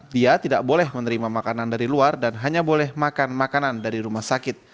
dia tidak boleh menerima makanan dari luar dan hanya boleh makan makanan dari rumah sakit